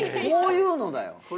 こういうのだよ。